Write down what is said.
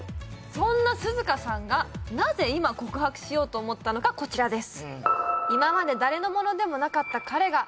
そんな涼香さんがなぜ今告白しようと思ったのかこちらです